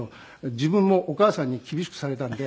「自分もお母さんに厳しくされたんで」。